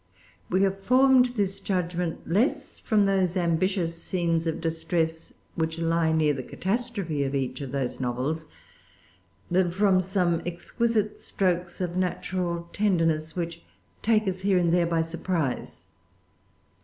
We have formed this judgment, less from those ambitious scenes of distress which lie near the catastrophe of each of those novels, than from some exquisite strokes of natural tenderness which take us here and there by surprise.